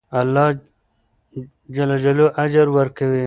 الله اجر ورکوي.